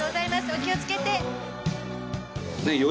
お気を付けて。